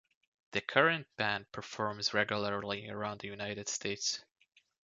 The current band performs regularly around the United States.